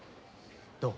どう？